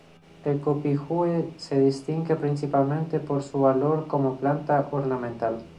El copihue se distingue principalmente por su valor como planta ornamental.